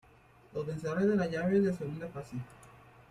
Los vencedores de las llaves de Segunda Fase.